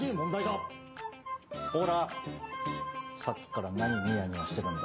さっきから何ニヤニヤしてるんだ。